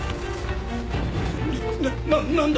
なななんだ？